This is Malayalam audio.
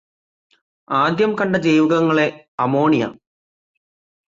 ആദ്യം കണ്ട ജൈവകങ്ങളെ അമോണിയ